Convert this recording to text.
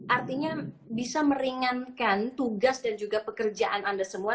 artinya bisa meringankan tugas dan juga pekerjaan anda semua